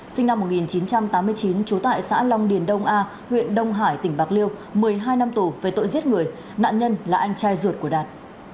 sinh năm một nghìn chín trăm tám mươi chín trú tại xã long điền đông a huyện đông hải tỉnh bạc liêu một mươi hai năm tù về tội giết người nạn nhân là anh trai ruột của đạt